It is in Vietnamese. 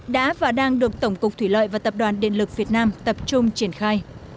đã và đang được tổng cục thủy lợi và tập đoàn điện lực việt nam tập trung triển khai